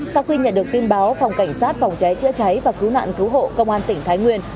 sau khi nhận được tin báo phòng cảnh sát phòng cháy chữa cháy và cứu nạn cứu hộ công an tỉnh thái nguyên